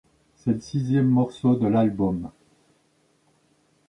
C’est le sixième morceau de l’album.